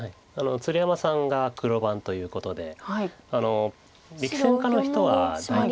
鶴山さんが黒番ということで力戦家の人は大体。